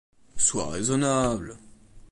Sois raisonnable.